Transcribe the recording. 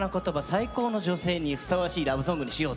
「最高の女性」にふさわしいラブソングにしようと。